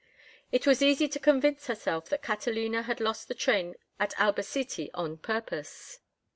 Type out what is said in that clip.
It was easy to convince herself that Catalina had lost the train at Albacete on purpose.